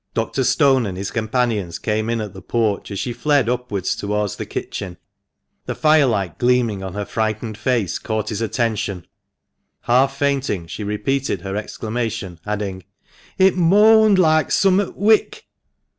Dr. Stone and his companions came in at the porch as she fled upwards towards the kitchen. The firelight gleaming on her frightened face caught his attention. Half fainting she repeated her exclamation, adding —" It moaned like summut wick."